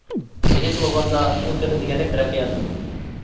مېنىڭچە بولغاندا، ئۇ تېخى دېگەندەك تەرەققىي ئەتمىدى.